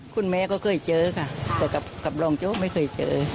คุณแม่ก็เคยเจอค่ะแต่กับรองโจ๊กไม่เคยเจอ